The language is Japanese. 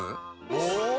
お！